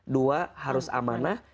dua harus amanah